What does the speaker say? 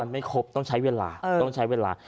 มันไม่ครบต้องใช้เวลา